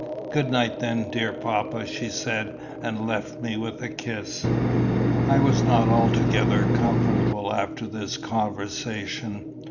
"Good night then, dear papa," she said, and left me with a kiss. I was not altogether comfortable after this conversation.